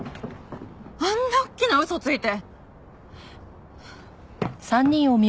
あんな大きな嘘ついて。